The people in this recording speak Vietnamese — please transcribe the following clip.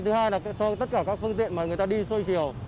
thứ hai là cho tất cả các phương tiện mà người ta đi xuôi chiều